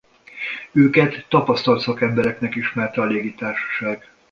Őket tapasztalt szakembereknek ismerte a légitársaság.